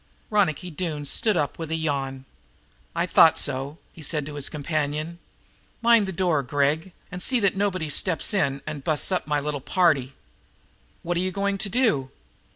Ronicky Doone stood up with a yawn. "I thought so," he said to his companion. "Mind the door, Gregg, and see that nobody steps in and busts up my little party." "What are you going to do?"